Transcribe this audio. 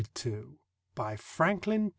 TO MRS. FRANKLIN P.